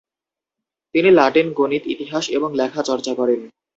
তিনি লাটিন, গণিত, ইতিহাস এবং লেখা চর্চা করেন।